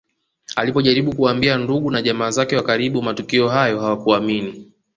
Alipojaribu kuwaambia ndugu na jamaa zake wa karibu matukio hayo hawakuamini